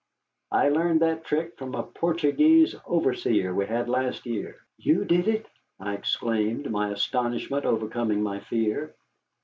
"I learned that trick from a Portuguese overseer we had last year." "You did it!" I exclaimed, my astonishment overcoming my fear.